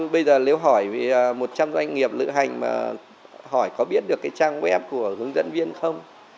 bây giờ nếu hỏi một trăm doanh nghiệp lữ hành mà hỏi có biết được cái trang web của hướng dẫn viên không